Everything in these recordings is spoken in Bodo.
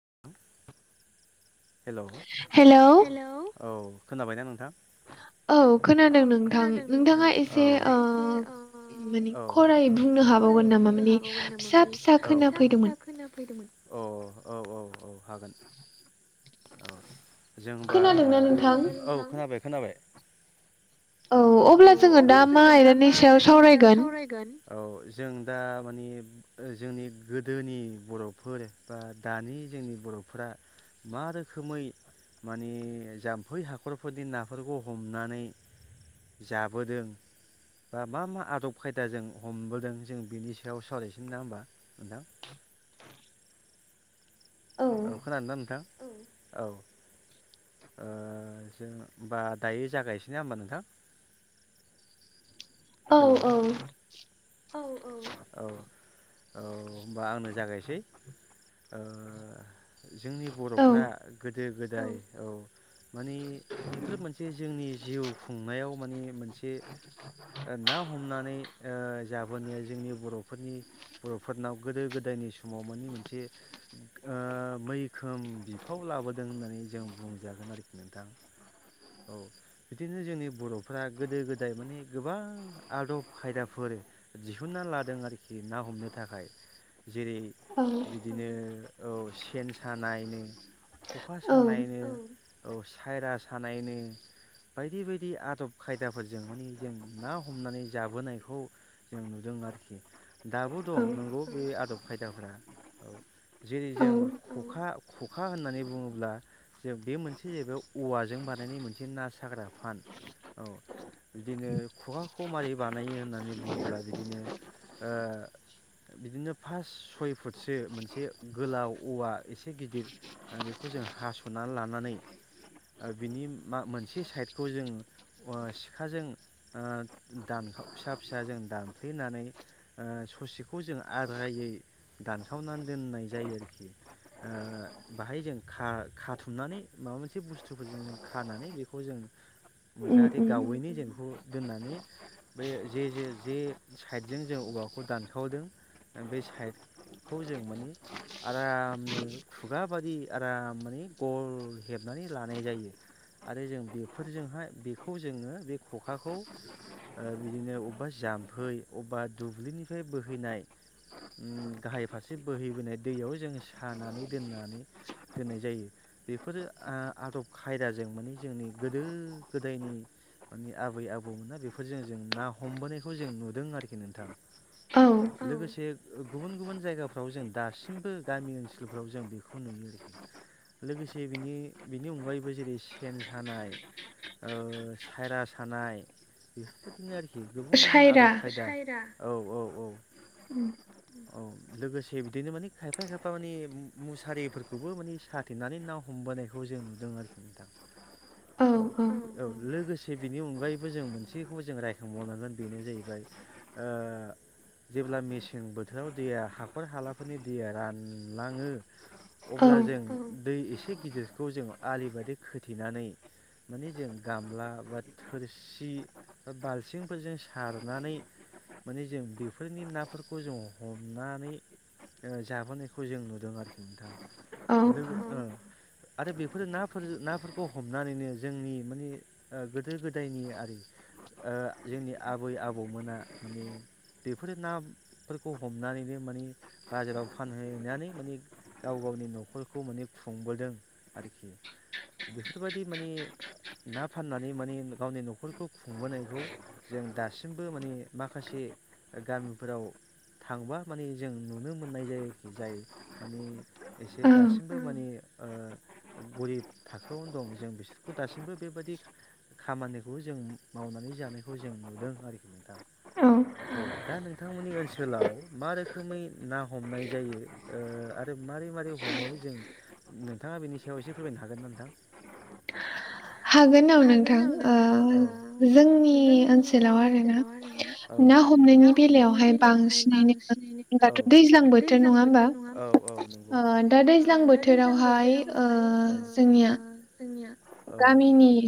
[inaudible] हेल' हेल' औ खोनाबायना नोंथां? औ खोनादों नोंथां औ नोंथाङा एसे ओ औ माने खरायै बुंनो हाबावगोन नामा माने औ फिसा फिसा खोनाफैदोमोन। औ ओहो औ औ औ हागोन [inaudible] जोंबा औ खोनादो [unintelligible] खोनाबाय औ अब्ला जोङो दा मा आयदानि सायाव सावरायगोन? औ जों दा माने ओ जोंनि गोदोनि बर'फोर बा दानि जोंनि बर'फोरा मा रोखोमै माने जाम्फै हाखरफोरनि नाफोरखौ हमनानै जाबोदों बा मा मा आदब खायदाजों हमबोदों जों बिनि सायाव सरायसोन नङा होमबा नोंथां? औ खोनादों दा नोंथां? औ जों ओ होमबा दायो जागायसै ना होमबा नोंथां? औ औ औ होनबा आंनो जागायसै ओ ओ जोंनि बर'फ्रा गोदो गोदाय जाय औ माने बेफोर मोनसे जोंनि जिउ खुंनायाव मानि मोनसे ओ ना हमनानै जाबोनाया जोंनि बर'फोरनि बर'फोरनाव गोदो गोदायनि समाव मानि मोनसे मैखोम बिफाव लाबोदों होननानै जों बुंजागोन आरोखि नोंथां औ बिदिनो जोंनि बर'फ्रा गोदो गोदाय माने गोबां आदब खायदाफोर दिहुनना लादों आरोखि ना हमनो थाखाय जेरै [inaudible] बिदिनो औ सेन सानाय ख'खा सानायनो औ साइरास थानायनो बायदि बायदि आदब खायदाफोरजों मानिे जों ना हमनानै जाबोनायखौ जों नुदों आरोखि दाबो दं नोंगौ बे आदब खायदाफ्रा औ जेरै जों खखा खखा होननानै बुङोब्ला ब्ला जों बे मोनसे जाहैबाय औवा जों बानायनाय मोनसे ना साग्रा फान औ बिदिनो खुगाखौ माबारै बानायो होननानै बुङोब्ला बिदिनो बिदिनो फास सय फुटसो मोनसे गोलाव औवा एसे गिदिर बेखौ जों हास'नानै लानानै आर बिनि मा मोनसे साइडखौ जों सिखाजों दान फिसा फिसाजों दानफ्लेनानै ससेखौ जों आरदायै दानखावनानै दोननाय जायो आरोखि बाहाय जों खाथुमनानै माबा मोनसे बुस्थु [inaudible] जाहाथे गावैनो जेनखौ दोननानै बे जे जे जे साइडजों जों औवाखौ दानखावदों बे साइडखौ जों माने आरामनो खुगा बादि आराम माने गल हेबनानै लानाय जायो आरो जों बेफोरजोंहाय बेखौ जोङो बे खखाखौ बिदिनो अबेबा जाम्फै अबेबा दुब्लिनिफ्राय बोहैनाय गाहाय फारसे बोहैबोनाय दैयाव जों सानानै दोननानै दोननाय जायो बेफोरो आदब खायदाजों माने जोंनि गोदो गोदायनि माने आबै आबौमोना बेफोरजों जों ना हमबोनायखौ जों नुदों आरोखि नोंथां लोगोसे गुबुन गुबुन जायगाफ्राव जों दासिमबो गामि ओनसोलफ्राव जों बेखौ नुयो आरोखि लोगोसे बिनि बिनि अनगायैबो जेरै सेन सानाय सायरा सानाय बेफोरबायदिनो आरोखि गुबुन गुबुन आदब खायदा औ औ औ औ लोगोसे बिदिनो माने खायफा खायफा माने मुसारिफोरखौबो माने साथेनानै ना हमबोनायखौ [inaudible] बेखौ जों नुदों आरोखि नोंथां औ औ लोगोसे बेनि अनगायैबो जों मोनसेखौबो जों रायखांबावनांगोन बेनो जाहैबाय जेब्ला मेसें बोथोराव दैया हाखर हालाफोरनि दैया रानलाङो अब्ला जों दै एसे गिदिर। खौ जों आलि बादि खोथेनानै माने जों गामला बा थोरसि बा बाल्थिंफोरजों सारनानै माने जों बेफोरनि नाफोरखौ जों हमनानै जाबोनायखौ जों नुदों आरोखि नोंथाङा लोगो आरो बेफोरो नाफोर नाफोरखौ हमनानैनो जोंनि माने ओ गोदो गोदायनि आरि ओ जोंनि आबै आबौमोना माने बेफोरो नाफोरखौ हमनानैनो माने बाजाराव फानहैनानै माने गाव गावनि न'खरखौ माने खुंबोदों। आरोखि बेफोरबायदि मानि ना फाननानै मानि गावनि न'खरखौ खुंबोनायखौ जों दासिमबो मानि माखासे गामिफोराव थांबा मानि जों नुनो मोननाय जायो आरोखि जाय मानि एसे दासिमबो मानि ओ ग'रिब थाखोआवनो दं जों बिसोरखौ दासिमबो बेबायदि खामानिखौ जों मावनानै जानायखौ जों नुदों आरोखि नोंथां औ दा नोंथांमोननि ओनसोलाव मा रोखोमै ना हमनाय जायो ओ आरो मारै मारै हमो जों नों नोंथांङा बेनि सायाव एसे फोरमायनो हागोन ना नोंथां? हागोन औ नोंथां ओ जोंनि ओनसोलाव आरोना ना हमनायनि बेलायावहाय बांसिनैनो दाथ' दैज्लां बोथोर नंङा होमबा ओ दा दैज्लां बोथोरावहाय बोथोरावहाय ओ-ओ जोंनिया औ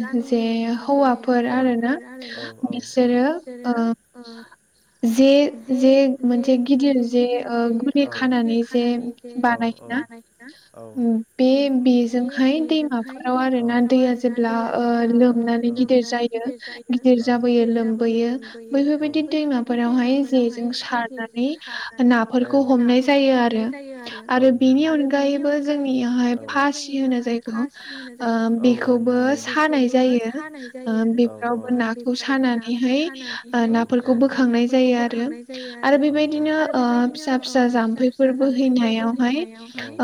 गामिनि जे हौवाफोर आरो ना बिसोरो ओ जे जे मोनसे गिदिर जे ओ गुलि खानानै जे बानायो ना? बे बेजोंहाय दैमाफोराव आरो दैया जेब्ला ओ लोमनानै गिदिर जायो गिदिर जाबोयो लोमबोयो बैफोरबायदि दैमाफोरावहाय जेजों सारनानै नाफोरखौ हमनाय जायो आरो आरो बेनि अनगायैबो जोंनि बेेबो जोंनियावहाय फासि होनो जाय बेखौबो सानाय जायो ओ बेफोरावबो नाखौ सानानैहाय ओ नाफोरखौ बोखांनाय जायो आरो आरो बेबायदिनो ओ फिसा फिसा जाम्फैफोर बोहैनायावहाय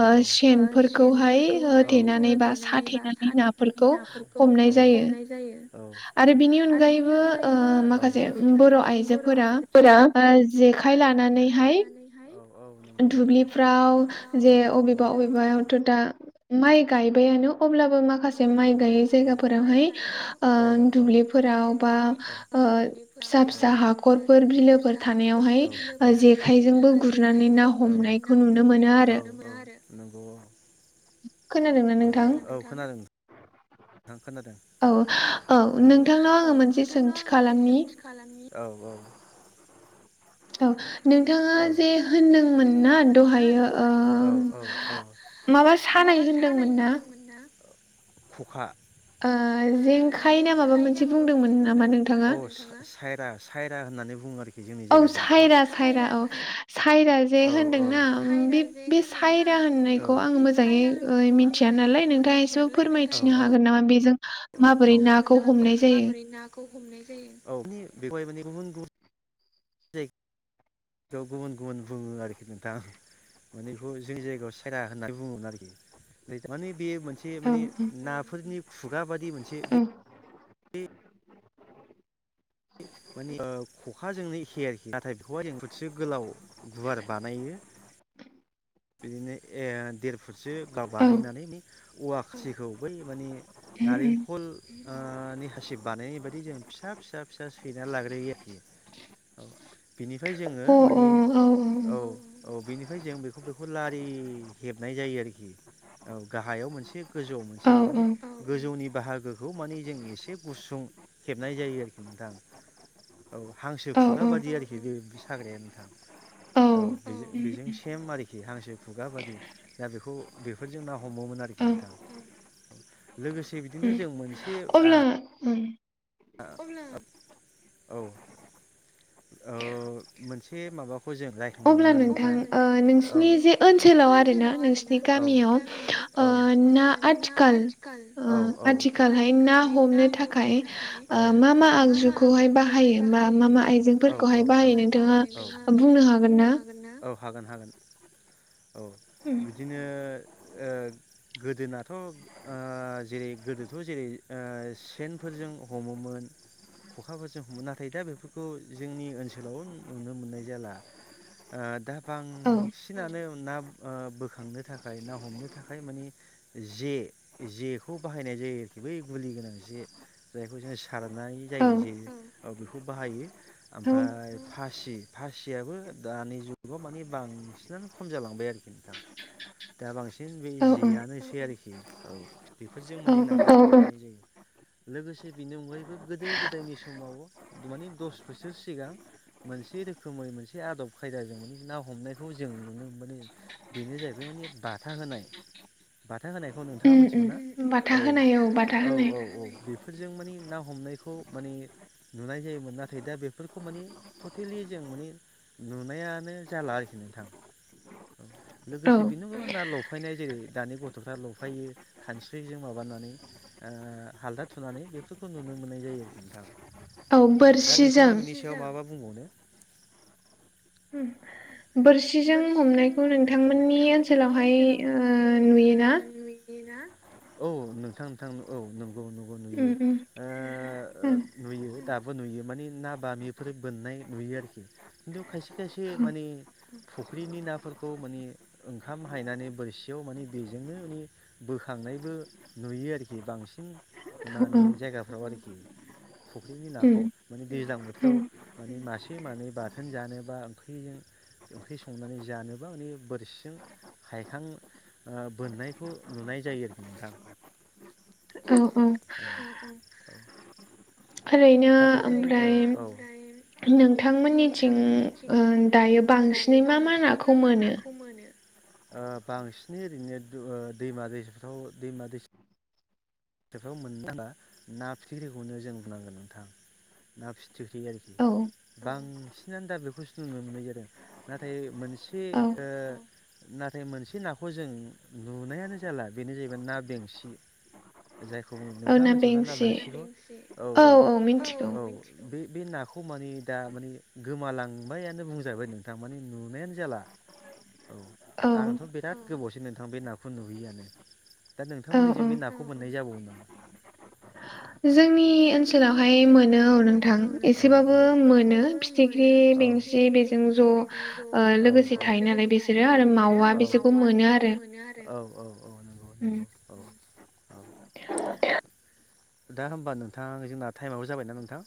ओ सेनफोर खौहाय होथेनानै बा साथे साथेनानै नाफोरखौ हमनाय जायो। [unintelligible] दा माइ गायबायानो अब्लाबो माखासे माइ गायै जायगाफोरावहाय ओ दुब्लिफोराव बा ओ फिसा फिसा हाख'रफोर बिलोफोर थानायावहाय जेखायजोंबो गुरनानै ना हमनायखौ नुनो मोनो आरो खोनादोंना नोंथां? खोनादों। थां खोनादों। औ नोंथांनाव आंङो मोनसे सोंथि खालामनि? औ औ। औ नोंथांङा जे होनदोंमोन ना दहायो ओ माबा सानाय होन्दोंमोन ना? खखा। ओ जेंखाय ना माबा मोनसे बुंदोंमोन नामा नोंथांङा? अ सायरा फायरा होननानै बुंङो आरो बे जोंनि जायगाजों सायरा सायरा औ सायरा जे होन्दोंना बे बे सायरा होननायखौ आंङो मोजाङै मिथिया नालाय नोंथांङा एसे फोरमायथिनो हागोन नामा? बेजों फोरमायथिनो हागोन नामा बे माबोरै नाखौ ह'मो? औ बेखौवहाय माने गुबुन गुबुन दै गुबुन गुबुन बुंङो आरोखि नोंथां माने बेखौ जोंनि जायगायाव सायरा होननानै बुंङोमोन आरोखि मानि बे मोनसे माने नाफोरनि खुगा बादि मोनसे बे माने खखाजोंनो एखे आरोखि नाथाय बेखौहाय एखफुटसे गोलाव गुवार बानायो। बिदिनो देर फुट सो गा बानायनानै बे वा खाासिखौ बै माने नारेंखलनि ओ हासिब बानायनाय बायदि जों फिसा फिसा फिसा सैना लाग्रोयो आरोखि औ बेनिफ्राय जोङो मानि औ औ बिनिफ्राय जों बेखौ बे खौ लारि हेबनाय जायो आरोखि औ गाहायाव मोनसे गोजौआव मोनसे माने गोजौनि बाहागोखौ बेखौ माने जोंनि एसे गुसुं हेबनाय जायो आरोखि नोंथां औ हांसो खुगा बादि आरोखि बे बिदि साग्राया नोंथां औ बेजों सेम आरोखि हांसो खुगा बादि दा बेखौ बेफोरजों ना हमोमोन आरोखि नोंथाङा। लोगोसे बिदिनो जों मोनसे ओ अब्ला औ ओ मोनसे माबाखौ जों राय अब्ला नोंथां औ औ नोंसिनि जे ओनसोलाव आर ना नोंसिनि गामियाव ना आथिखाल आथिखालहाय ना हमनो थाखाय मा मा आगजुखौहाय बाहायो मा आइजेंफोरखौहाय बाहायो नोंथाङा बुंनो हागोन? बुंनो हागोन ना औ हागोन हागोन औ बिदिनो ओ गोदोनाथ ओ जेरै गोदोथ जेरै ओ सेनफोरजों हमोमोन खखाफोरजों हमोमोन नाथाय दा बे खौ जोंनि ओनसोलाव नुनो मोननाय जाला ओ दा बांसिनानो ना ओ बोखांनो थाखाय ना हमनो थाखाय मानि जे जेखौ बाहायनाय जायो आरोखि बै गुलि गोनां जे जायखौ जों सारनाय जायो जे औ बेखौ बाहायो। ओमफ्राय फासि फासियाबो दानि जु जुगाव मानि बांसिनानो खम जालांबाय आरोखि नोंथां दा बांसिन बे जेयानोसै आरोखि औ [unintelligible] लोगोसे बिनि अनगायैबो गोदो गोदायनि समाव मानि दस बोसोर सिगां मोनसे रोखोमै मोनसे आदब खायदाजों माने ना हमनायखौ जों नुनो मोनो बेनो जाहैबाय माने बाथा होनाय बाथा होनायखौ नोंथांङा मोनसे मिथिगौना औ औ औ औ बेफोरजों मानिे ना हमनायखौ माने नुनाय जायोमोन ना नाथाय दा बेफोरखौ मानि टटेलि जों मानिे नुनायानो जाला आरोखि नोंथां औ लोगोसे बेनोबोना लफायनाय जेरै दानि गथफ्रा लफायो खानस्रिजों माबानानै हालदा थुनानै बेफोरखौ नुनो मोननाय जायो आरोखि नोंथां औ बोर दा नोंथाङा बिनि सायाव माबा बुंबावनो बोरसिजों हमनायखौ नोंथांमोननि ओनसोलावहाय ओ नुयो ना? औ नोंथां नोंथां औ नंगौ नंगौ नुयो ओ नुयो दाबो नुयो माने ना बामिफोर बोननाय नुयो आरोखि खिन्थु खायसे खायसे माने फुख्रिनि नाफोरखौ माने ओंखाम हायनानै बोरसियाव माने बेजोंनो मे बोखांनायबो नुयो आरोखि बांसिन माने जायगाफ्राव आरोखि फुख्रिनि नाखौ माने दैज्लां बोथोराव माने मासे मानै बाथोन जानोबा ओंख्रिजों ओंख्रि संनानै जानोबा माने बोरसिजों हायखां बोननायखौ नुनाय जायो आरोखि नोंथां औ औ औ औ ओरैनो ओमफ्राय नोंथांमोननिथिं ओ दायो बांसिनै मा मा नाखौ मोनो। बांसिनै ओरैनो दैमा दैसा आव दैमा दैसा बेफ्राव मोननो थांङा ना फिथिख्रिखौनो जों बुंनांगोन नोंथां ना फिथिख्रि आरोखि बांसिनानो दा बेखौसो नुनो मोननाय जादों नाथाय मोनसे ओ नाथाय मोनसे नाखौ जों नुनायानो जाला बेनो जाहैबाय ना बेंसि जे [inaudible] बे नाखौ मानि दा माने गोमालांबायानो बुंजाहैबाय नोंथां मानि नुनायानो जाला औ आंथ बिराद गोबावसै नोंथां बे नाखौ नुहैयोआनो दा नोंथांमोननिजोंबो बे नाखौ मोन मोननाय जाबावयो नामा जोंनि ओनसोलावहाय मोनो औ नोंथां एसेबाबो मोनो फिथिख्रि बेंसि बेजों ज लोगोसे थायो नालाय बिसोरो आरो मावा बिसोरखौ मोनो आरो औ उम औ दा होमबा नोंथां जोंना टाइमाबो जाबायना नोंथां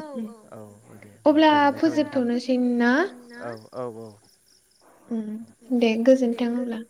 औ औ औ औ दे होनबा गोजोननाय थाबाय। औ औ दे गोजोन्थों होमब्ला